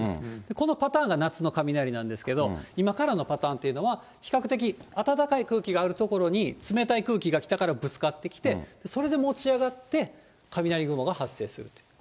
このパターンが夏の雷なんですけど、今からのパターンというのは、比較的、暖かい空気がある所に、冷たい空気が来たからぶつかってきて、それで持ち上がって、雷雲が発生すると。